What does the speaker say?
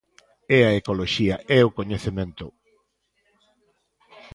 É a ecoloxía, é o coñecemento.